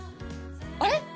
あれ？